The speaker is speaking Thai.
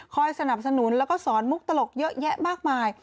สนับสนุนแล้วก็สอนมุกตลกเยอะแยะมากมาย